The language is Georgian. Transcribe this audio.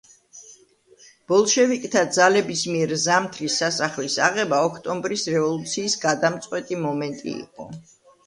ბოლშევიკთა ძალების მიერ ზამთრის სასახლის აღება ოქტომბრის რევოლუციის გადამწყვეტი მომენტი იყო.